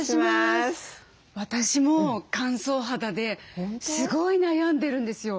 私も乾燥肌ですごい悩んでるんですよ。